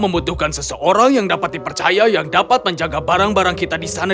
membutuhkan seseorang yang dapat dipercaya yang dapat menjaga barang barang kita di sana